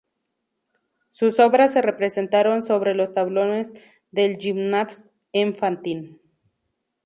Sus obras se representaron sobre los tablones del Gymnase-Enfantin.